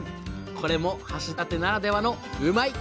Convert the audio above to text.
これも橋立ならではのうまいッ！